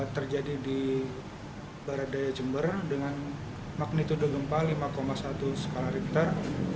terjadi di barat daya jember dengan magnitude gempa lima satu skala richter